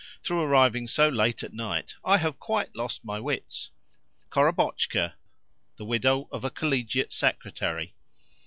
Through arriving so late at night I have quite lost my wits." "Korobotchka, the widow of a Collegiate Secretary."